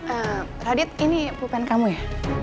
eh radit ini bukan kamu ya